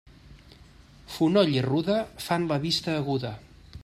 Fonoll i ruda fan la vista aguda.